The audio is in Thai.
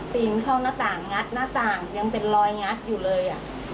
ปีนเข้าหน้าต่างงัดหน้าต่างยังเป็นรอยงัดอยู่เลย